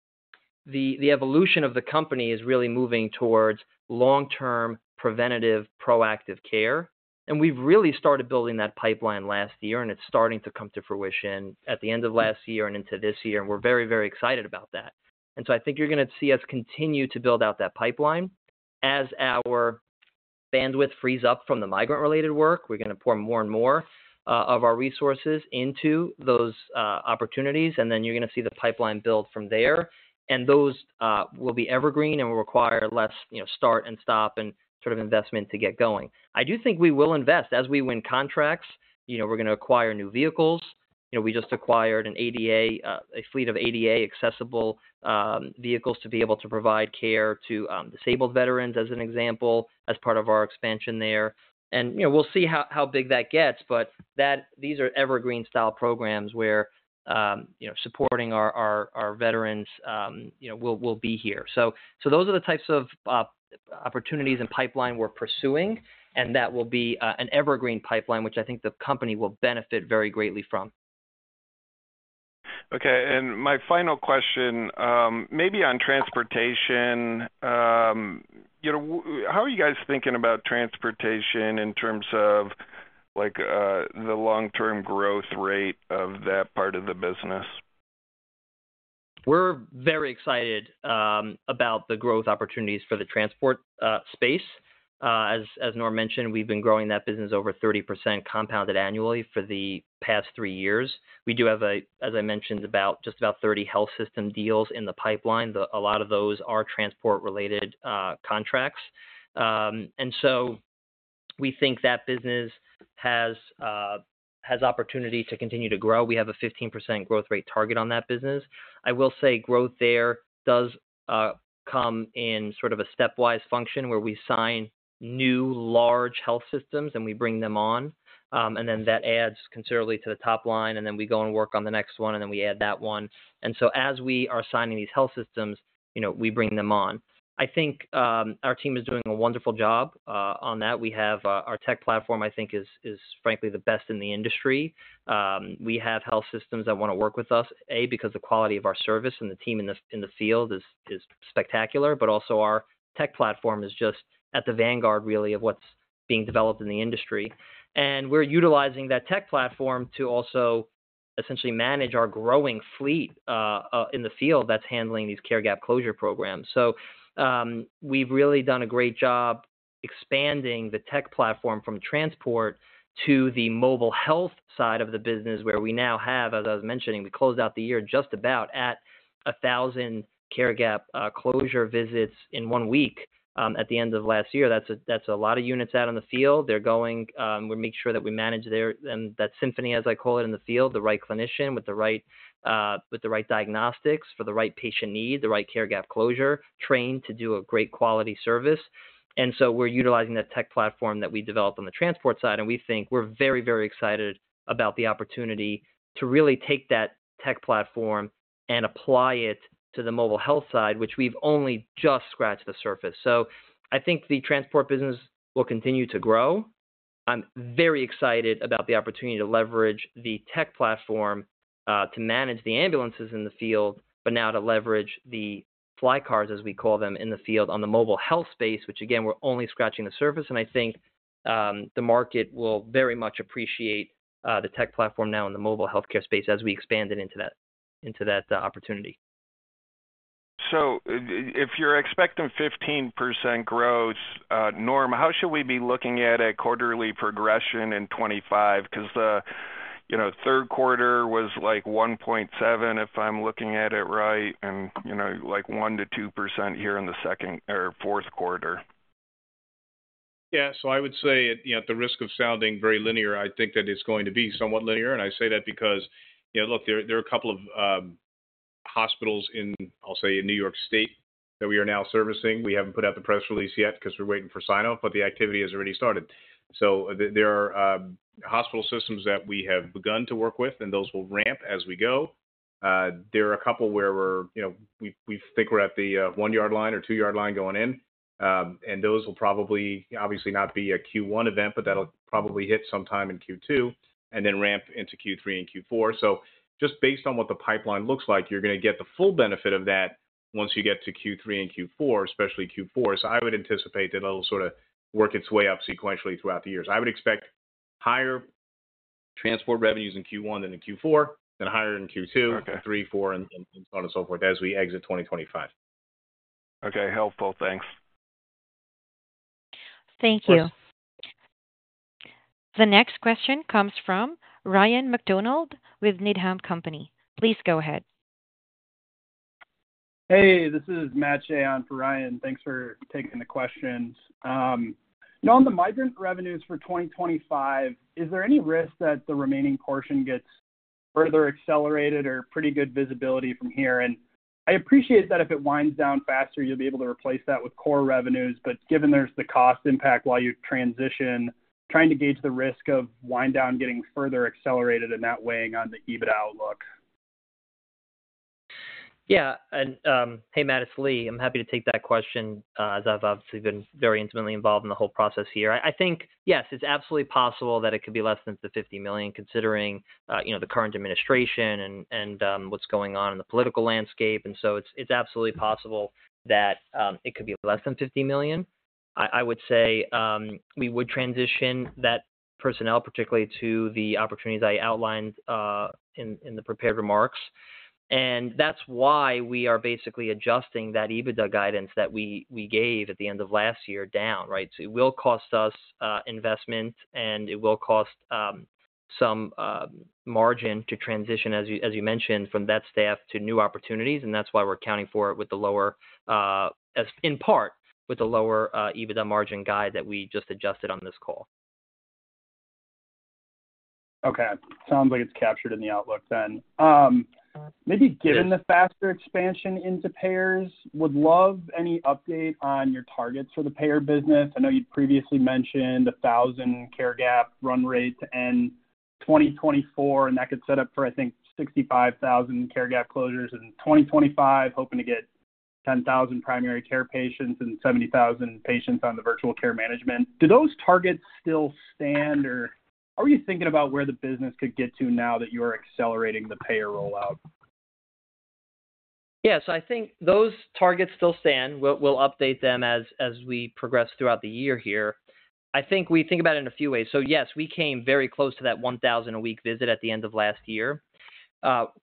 the evolution of the company is really moving towards long-term preventative proactive care. We really started building that pipeline last year, and it is starting to come to fruition at the end of last year and into this year. We are very, very excited about that. I think you are going to see us continue to build out that pipeline as our bandwidth frees up from the migrant-related work. We are going to pour more and more of our resources into those opportunities, and you are going to see the pipeline build from there. Those will be evergreen and will require less, you know, start and stop and sort of investment to get going. I do think we will invest as we win contracts. You know, we are going to acquire new vehicles. You know, we just acquired a fleet of ADA accessible vehicles to be able to provide care to disabled veterans as an example as part of our expansion there. You know, we'll see how big that gets, but these are evergreen-style programs where, you know, supporting our veterans, you know, will be here. Those are the types of opportunities and pipeline we're pursuing, and that will be an evergreen pipeline, which I think the company will benefit very greatly from. Okay. My final question, maybe on transportation, you know, how are you guys thinking about transportation in terms of like the long-term growth rate of that part of the business? We're very excited about the growth opportunities for the transport space. As Norm mentioned, we've been growing that business over 30% compounded annually for the past three years. We do have, as I mentioned, just about 30 health system deals in the pipeline. A lot of those are transport-related contracts. We think that business has opportunity to continue to grow. We have a 15% growth rate target on that business. I will say growth there does come in sort of a stepwise function where we sign new large health systems and we bring them on. That adds considerably to the top line, and we go and work on the next one, and then we add that one. As we are signing these health systems, you know, we bring them on. I think our team is doing a wonderful job on that. We have our tech platform, I think, is frankly the best in the industry. We have health systems that want to work with us, A, because the quality of our service and the team in the field is spectacular, but also our tech platform is just at the vanguard really of what's being developed in the industry. We are utilizing that tech platform to also essentially manage our growing fleet in the field that's handling these care gap closure programs. We have really done a great job expanding the tech platform from transport to the mobile health side of the business where we now have, as I was mentioning, we closed out the year just about at 1,000 care gap closure visits in one week at the end of last year. That is a lot of units out on the field. They're going, we're making sure that we manage their, that symphony, as I call it, in the field, the right clinician with the right diagnostics for the right patient need, the right care gap closure, trained to do a great quality service. We're utilizing that tech platform that we developed on the transport side, and we think we're very, very excited about the opportunity to really take that tech platform and apply it to the mobile health side, which we've only just scratched the surface. I think the transport business will continue to grow. I'm very excited about the opportunity to leverage the tech platform to manage the ambulances in the field, but now to leverage the fly cars, as we call them, in the field on the mobile health space, which again, we're only scratching the surface. I think the market will very much appreciate the tech platform now in the mobile healthcare space as we expand it into that opportunity. If you're expecting 15% growth, Norm, how should we be looking at a quarterly progression in 2025? Because, you know, third quarter was like 1.7, if I'm looking at it right, and, you know, like 1-2% here in the second or fourth quarter. Yeah. I would say, you know, at the risk of sounding very linear, I think that it's going to be somewhat linear. I say that because, you know, look, there are a couple of hospitals in, I'll say, in New York State that we are now servicing. We haven't put out the press release yet because we're waiting for sign-off, but the activity has already started. There are hospital systems that we have begun to work with, and those will ramp as we go. There are a couple where we're, you know, we think we're at the one-yard line or two-yard line going in. Those will probably, obviously, not be a Q1 event, but that'll probably hit sometime in Q2 and then ramp into Q3 and Q4. Just based on what the pipeline looks like, you're going to get the full benefit of that once you get to Q3 and Q4, especially Q4. I would anticipate that it'll sort of work its way up sequentially throughout the years. I would expect higher transport revenues in Q1 than in Q4, then higher in Q2, Q3, Q4, and so on and so forth as we exit 2025. Okay. Helpful. Thanks. Thank you. The next question comes from Ryan McDonald with Needham Company. Please go ahead. Hey, this is Matt Shea for Ryan. Thanks for taking the questions. You know, on the migrant revenues for 2025, is there any risk that the remaining portion gets further accelerated or pretty good visibility from here? I appreciate that if it winds down faster, you'll be able to replace that with core revenues. Given there's the cost impact while you transition, trying to gauge the risk of wind down getting further accelerated and not weighing on the EBIT outlook. Yeah. Hey, Mattis. Lee, I'm happy to take that question as I've obviously been very intimately involved in the whole process here. I think, yes, it's absolutely possible that it could be less than $50 million considering, you know, the current administration and what's going on in the political landscape. It's absolutely possible that it could be less than $50 million. I would say we would transition that personnel, particularly to the opportunities I outlined in the prepared remarks. That's why we are basically adjusting that EBITDA guidance that we gave at the end of last year down, right? It will cost us investment, and it will cost some margin to transition, as you mentioned, from that staff to new opportunities. That is why we're accounting for it, in part, with the lower EBITDA margin guide that we just adjusted on this call. Okay. Sounds like it's captured in the outlook then. Maybe given the faster expansion into payers, would love any update on your targets for the payer business. I know you'd previously mentioned 1,000 care gap run rate in 2024, and that could set up for, I think, 65,000 care gap closures in 2025, hoping to get 10,000 primary care patients and 70,000 patients on the virtual care management. Do those targets still stand, or are you thinking about where the business could get to now that you're accelerating the payer rollout? Yes. I think those targets still stand. We'll update them as we progress throughout the year here. I think we think about it in a few ways. Yes, we came very close to that 1,000-a-week visit at the end of last year.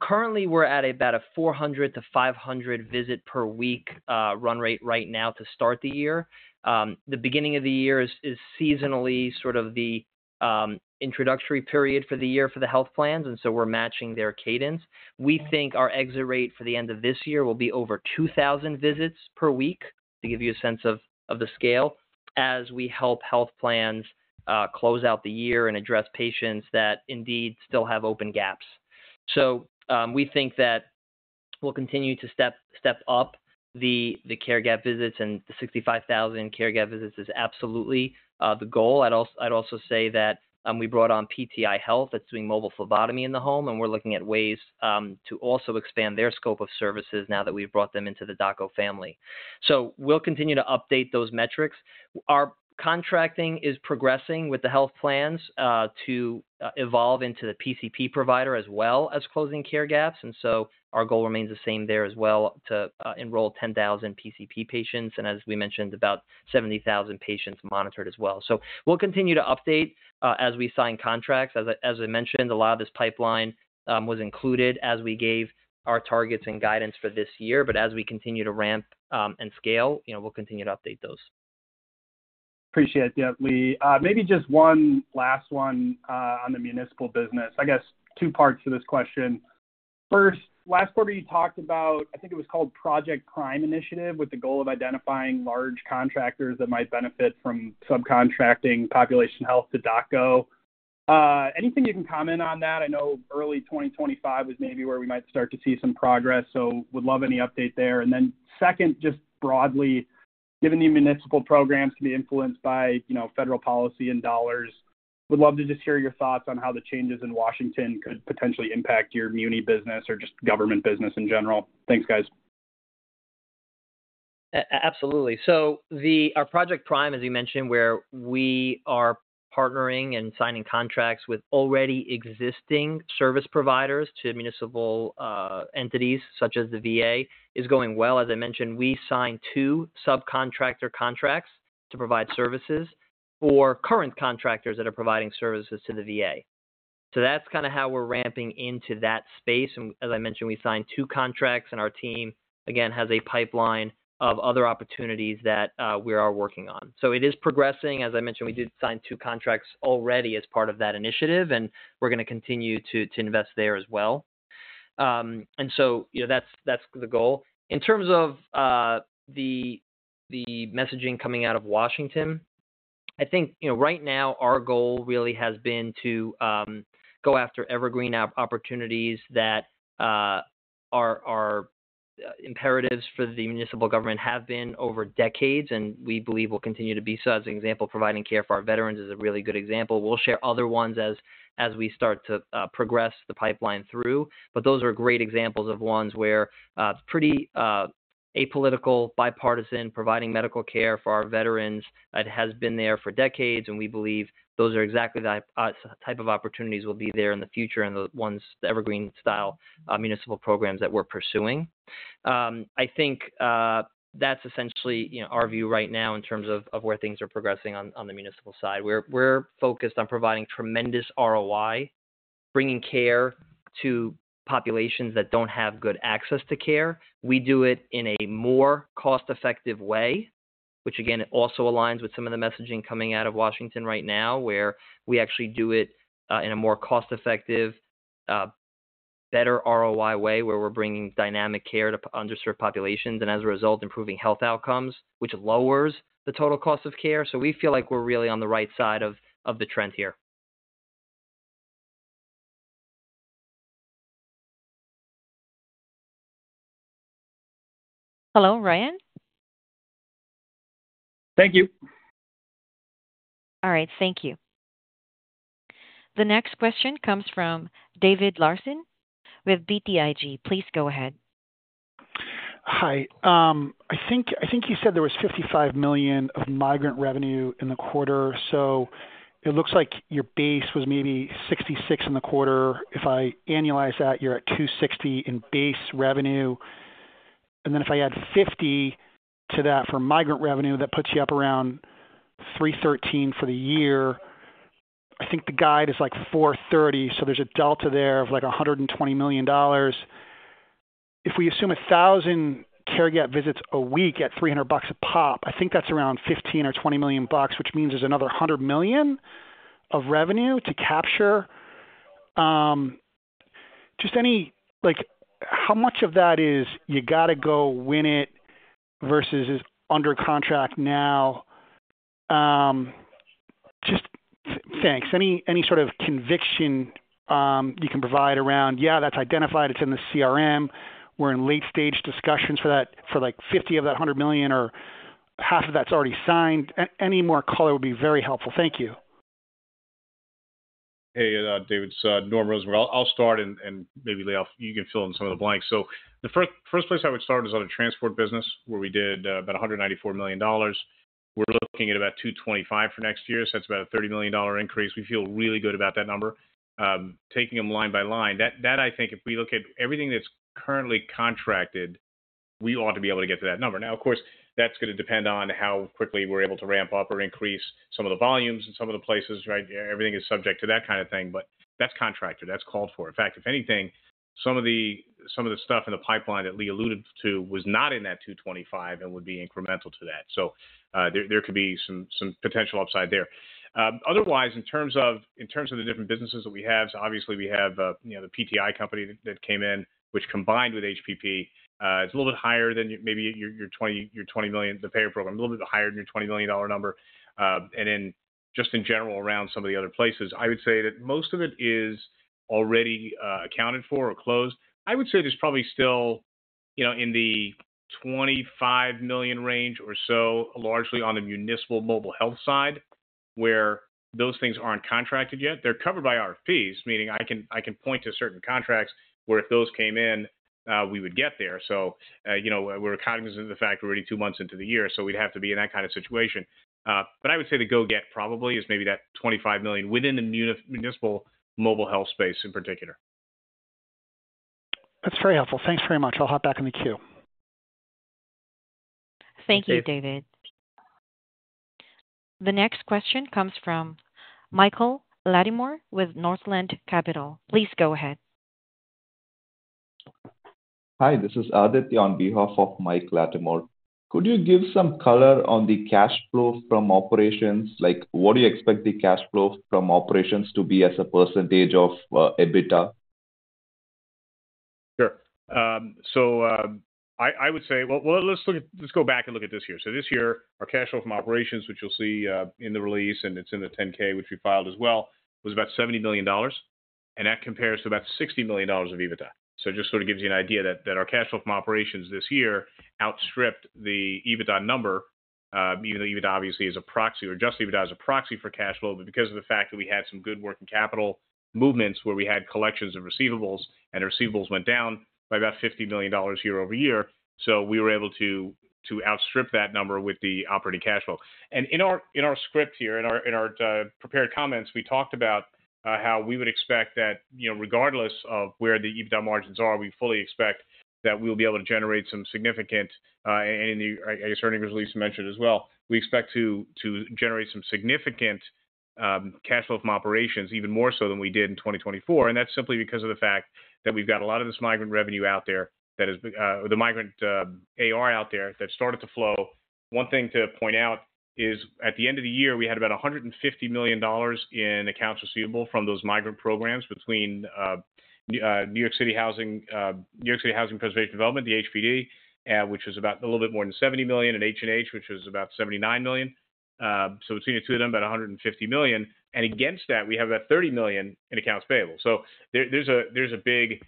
Currently, we're at about a 400-500 visit per week run rate right now to start the year. The beginning of the year is seasonally sort of the introductory period for the year for the health plans. We are matching their cadence. We think our exit rate for the end of this year will be over 2,000 visits per week, to give you a sense of the scale, as we help health plans close out the year and address patients that indeed still have open gaps. We think that we'll continue to step up the care gap visits, and the 65,000 care gap visits is absolutely the goal. I'd also say that we brought on PTI Health that's doing mobile phlebotomy in the home, and we're looking at ways to also expand their scope of services now that we've brought them into the DocGo family. We'll continue to update those metrics. Our contracting is progressing with the health plans to evolve into the PCP provider as well as closing care gaps. Our goal remains the same there as well to enroll 10,000 PCP patients. As we mentioned, about 70,000 patients monitored as well. We'll continue to update as we sign contracts. As I mentioned, a lot of this pipeline was included as we gave our targets and guidance for this year. As we continue to ramp and scale, you know, we'll continue to update those. Appreciate it, Lee. Maybe just one last one on the municipal business. I guess two parts to this question. First, last quarter, you talked about, I think it was called Project Prime Initiative with the goal of identifying large contractors that might benefit from subcontracting population health to DocGo. Anything you can comment on that? I know early 2025 was maybe where we might start to see some progress. Would love any update there. Then second, just broadly, given the municipal programs can be influenced by, you know, federal policy and dollars, would love to just hear your thoughts on how the changes in Washington could potentially impact your municipal business or just government business in general. Thanks, guys. Absolutely. Our Project Prime, as you mentioned, where we are partnering and signing contracts with already existing service providers to municipal entities such as the VA is going well. As I mentioned, we signed two subcontractor contracts to provide services for current contractors that are providing services to the VA. That is kind of how we are ramping into that space. As I mentioned, we signed two contracts, and our team, again, has a pipeline of other opportunities that we are working on. It is progressing. As I mentioned, we did sign two contracts already as part of that initiative, and we are going to continue to invest there as well. You know, that is the goal. In terms of the messaging coming out of Washington, I think, you know, right now, our goal really has been to go after evergreen opportunities that are imperatives for the municipal government, have been over decades, and we believe will continue to be so. As an example, providing care for our veterans is a really good example. We'll share other ones as we start to progress the pipeline through. Those are great examples of ones where it's pretty apolitical, bipartisan, providing medical care for our veterans. It has been there for decades, and we believe those are exactly the type of opportunities that will be there in the future and the ones, the evergreen style municipal programs that we're pursuing. I think that's essentially, you know, our view right now in terms of where things are progressing on the municipal side. We're focused on providing tremendous ROI, bringing care to populations that don't have good access to care. We do it in a more cost-effective way, which, again, also aligns with some of the messaging coming out of Washington right now, where we actually do it in a more cost-effective, better ROI way where we're bringing dynamic care to underserved populations and, as a result, improving health outcomes, which lowers the total cost of care. We feel like we're really on the right side of the trend here. Hello, Ryan? Thank you. All right. Thank you. The next question comes from David Larsen with BTIG. Please go ahead. Hi. I think you said there was $55 million of migrant revenue in the quarter. So it looks like your base was maybe $66 million in the quarter. If I annualize that, you're at $260 million in base revenue. And then if I add $50 million to that for migrant revenue, that puts you up around $313 million for the year. I think the guide is like $430 million. So there's a delta there of like $120 million. If we assume 1,000 care gap visits a week at $300 a pop, I think that's around $15 million or $20 million, which means there's another $100 million of revenue to capture. Just any, like, how much of that is you got to go win it versus is under contract now? Just thanks. Any sort of conviction you can provide around, yeah, that's identified, it's in the CRM, we're in late-stage discussions for that, for like $50 million of that $100 million or half of that's already signed. Any more color would be very helpful. Thank you. Hey, David, it's Norm Rosenberg. I'll start and maybe Lee, you can fill in some of the blanks. The first place I would start is on a transport business where we did about $194 million. We're looking at about $225 million for next year. That's about a $30 million increase. We feel really good about that number. Taking them line by line, I think if we look at everything that's currently contracted, we ought to be able to get to that number. Now, of course, that's going to depend on how quickly we're able to ramp up or increase some of the volumes in some of the places, right? Everything is subject to that kind of thing, but that's contracted. That's called for. In fact, if anything, some of the stuff in the pipeline that Lee alluded to was not in that $225 million and would be incremental to that. There could be some potential upside there. Otherwise, in terms of the different businesses that we have, obviously we have, you know, the PTI company that came in, which combined with HPP, it's a little bit higher than maybe your $20 million, the payer program, a little bit higher than your $20 million number. In general, around some of the other places, I would say that most of it is already accounted for or closed. I would say there's probably still, you know, in the $25 million range or so, largely on the municipal mobile health side, where those things aren't contracted yet. They're covered by RFPs, meaning I can point to certain contracts where if those came in, we would get there. You know, we're cognizant of the fact we're already two months into the year, so we'd have to be in that kind of situation. I would say the go-get probably is maybe that $25 million within the municipal mobile health space in particular. That's very helpful. Thanks very much. I'll hop back on the queue. Thank you, David. The next question comes from Michael Lattimore with Northland Capital. Please go ahead. Hi, this is Adit on behalf of Mike Latimore. Could you give some color on the cash flow from operations? Like, what do you expect the cash flow from operations to be as a percentage of EBITDA? Sure. I would say, let's go back and look at this year. This year, our cash flow from operations, which you'll see in the release, and it's in the 10-K, which we filed as well, was about $70 million. That compares to about $60 million of EBITDA. It just sort of gives you an idea that our cash flow from operations this year outstripped the EBITDA number, even though EBITDA obviously is a proxy or just EBITDA as a proxy for cash flow. Because of the fact that we had some good working capital movements where we had collections of receivables and the receivables went down by about $50 million year over year, we were able to outstrip that number with the operating cash flow. In our script here, in our prepared comments, we talked about how we would expect that, you know, regardless of where the EBITDA margins are, we fully expect that we'll be able to generate some significant, and I guess earnings release mentioned as well, we expect to generate some significant cash flow from operations, even more so than we did in 2024. That is simply because of the fact that we've got a lot of this migrant revenue out there that is, or the migrant AR out there that started to flow. One thing to point out is at the end of the year, we had about $150 million in accounts receivable from those migrant programs between New York City Housing, New York City Housing Preservation Development, the HPD, which was about a little bit more than $70 million, and H&H, which was about $79 million. Between the two of them, about $150 million. Against that, we have about $30 million in accounts payable. There is a big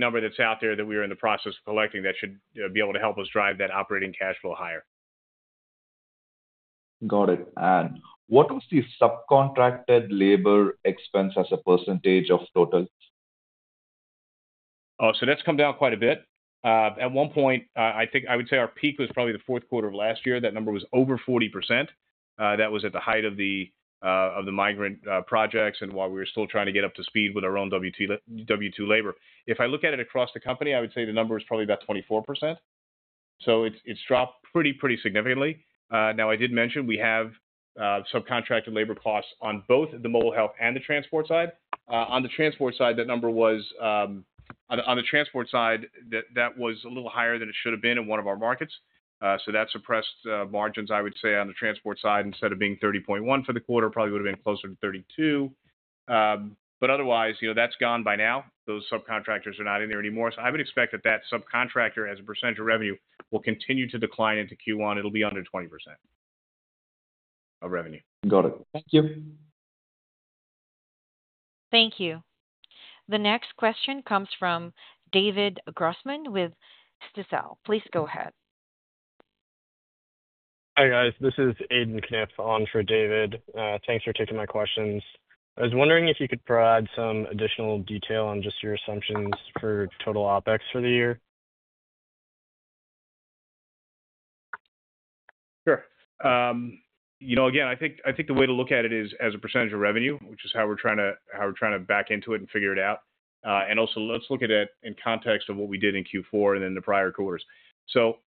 number that is out there that we are in the process of collecting that should be able to help us drive that operating cash flow higher. Got it. What was the subcontracted labor expense as a percentage of total? Oh, so that's come down quite a bit. At one point, I think I would say our peak was probably the fourth quarter of last year. That number was over 40%. That was at the height of the migrant projects and while we were still trying to get up to speed with our own W-2 labor. If I look at it across the company, I would say the number is probably about 24%. So it's dropped pretty, pretty significantly. Now, I did mention we have subcontracted labor costs on both the mobile health and the transport side. On the transport side, that number was, on the transport side, that was a little higher than it should have been in one of our markets. So that suppressed margins, I would say, on the transport side instead of being 30.1% for the quarter, probably would have been closer to 32%. Otherwise, you know, that's gone by now. Those subcontractors are not in there anymore. I would expect that that subcontractor, as a percentage of revenue, will continue to decline into Q1. It'll be under 20% of revenue. Got it. Thank you. Thank you. The next question comes from David Grossman with Stifel. Please go ahead. Hi, guys. This is Aidan Conniff on for David. Thanks for taking my questions. I was wondering if you could provide some additional detail on just your assumptions for total OpEx for the year. Sure. You know, again, I think the way to look at it is as a percentage of revenue, which is how we're trying to back into it and figure it out. Also, let's look at it in context of what we did in Q4 and then the prior quarters.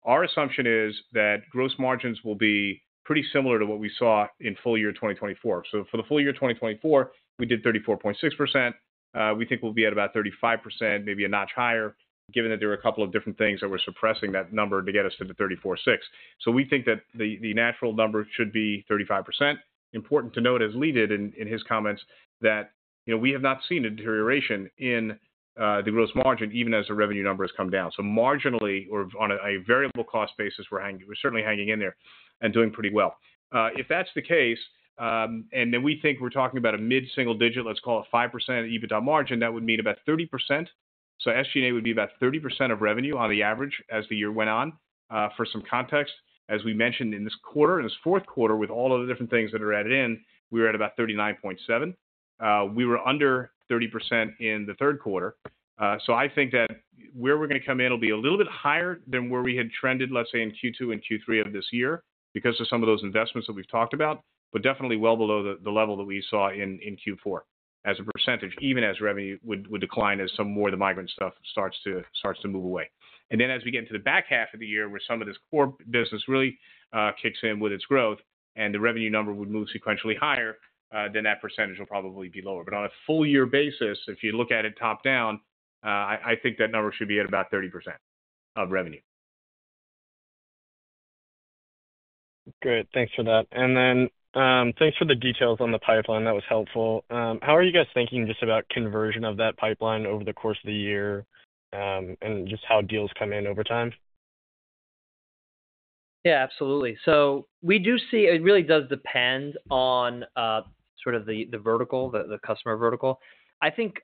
Our assumption is that gross margins will be pretty similar to what we saw in full year 2024. For the full year 2024, we did 34.6%. We think we'll be at about 35%, maybe a notch higher, given that there are a couple of different things that were suppressing that number to get us to the 34.6. We think that the natural number should be 35%. Important to note, as Lee did in his comments, that, you know, we have not seen a deterioration in the gross margin, even as the revenue number has come down. Marginally or on a variable cost basis, we're certainly hanging in there and doing pretty well. If that's the case, and then we think we're talking about a mid-single digit, let's call it 5% EBITDA margin, that would mean about 30%. SG&A would be about 30% of revenue on the average as the year went on. For some context, as we mentioned in this quarter, in this fourth quarter, with all of the different things that are added in, we were at about 39.7%. We were under 30% in the third quarter. I think that where we're going to come in will be a little bit higher than where we had trended, let's say, in Q2 and Q3 of this year because of some of those investments that we've talked about, but definitely well below the level that we saw in Q4 as a percentage, even as revenue would decline as some more of the migrant stuff starts to move away. As we get into the back half of the year, where some of this core business really kicks in with its growth and the revenue number would move sequentially higher, that percentage will probably be lower. On a full year basis, if you look at it top down, I think that number should be at about 30% of revenue. Good. Thanks for that. Thanks for the details on the pipeline. That was helpful. How are you guys thinking just about conversion of that pipeline over the course of the year and just how deals come in over time? Yeah, absolutely. We do see it really does depend on sort of the vertical, the customer vertical. I think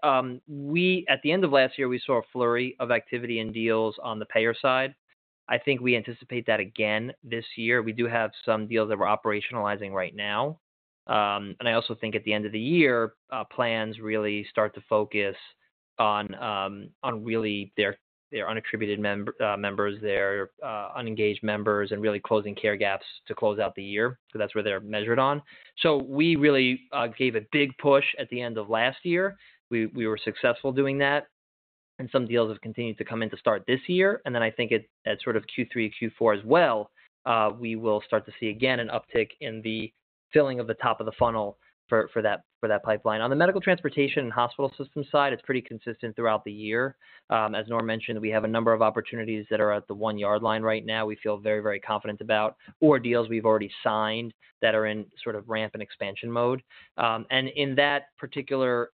we, at the end of last year, saw a flurry of activity and deals on the payer side. I think we anticipate that again this year. We do have some deals that we're operationalizing right now. I also think at the end of the year, plans really start to focus on really their unattributed members, their unengaged members, and really closing care gaps to close out the year because that's what they're measured on. We really gave a big push at the end of last year. We were successful doing that. Some deals have continued to come in to start this year. I think at sort of Q3, Q4 as well, we will start to see again an uptick in the filling of the top of the funnel for that pipeline. On the medical transportation and hospital system side, it's pretty consistent throughout the year. As Norm mentioned, we have a number of opportunities that are at the one-yard line right now. We feel very, very confident about our deals we've already signed that are in sort of ramp and expansion mode. In that particular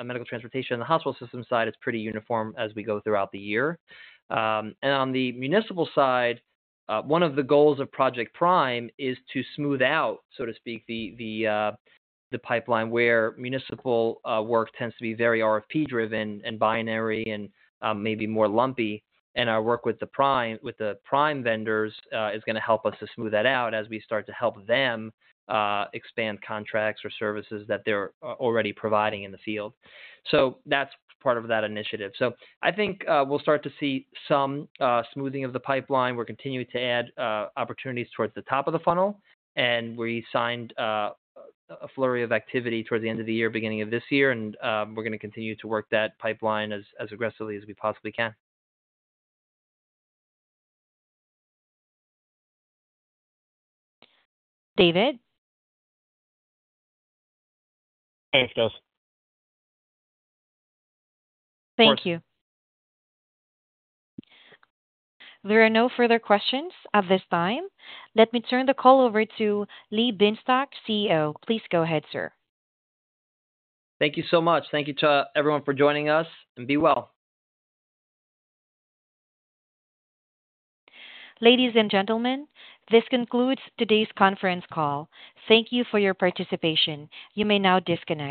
medical transportation and the hospital system side, it's pretty uniform as we go throughout the year. On the municipal side, one of the goals of Project Prime is to smooth out, so to speak, the pipeline where municipal work tends to be very RFP-driven and binary and maybe more lumpy. Our work with the Prime vendors is going to help us to smooth that out as we start to help them expand contracts or services that they're already providing in the field. That is part of that initiative. I think we'll start to see some smoothing of the pipeline. We're continuing to add opportunities towards the top of the funnel. We signed a flurry of activity towards the end of the year, beginning of this year. We're going to continue to work that pipeline as aggressively as we possibly can. David? Hi, Stec. Thank you. There are no further questions at this time. Let me turn the call over to Lee Bienstock, CEO. Please go ahead, sir. Thank you so much. Thank you to everyone for joining us and be well. Ladies and gentlemen, this concludes today's conference call. Thank you for your participation. You may now disconnect.